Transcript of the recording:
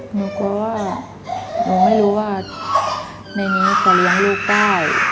หนูกลัวว่าหนูไม่รู้ว่าในนี้พอเลี้ยงลูกได้